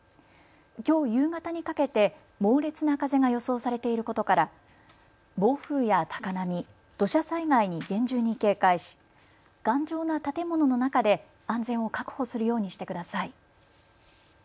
きょう夕方にかけて猛烈な風が予想されていることから暴風や高波、土砂災害に厳重に警戒し頑丈な建物の中で安全を確保するようにしてください。